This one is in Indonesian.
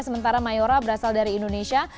sementara mayora berasal dari indonesia